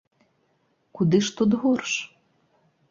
Куды ж тут горш?